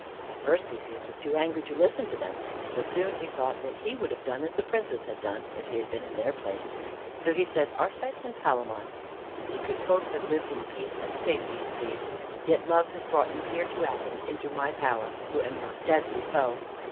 At first Theseus was too angry to listen to them, but soon he thought that he would have done as the princes had done, if he had been in their place, so he said, "Arcite and Palamon, ye could both have lived in peace and safety in Thebes, yet love has brought you here to Athens into my power, who am your deadly foe.